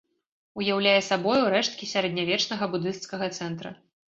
Уяўляе сабою рэшткі сярэднявечнага будысцкага цэнтра.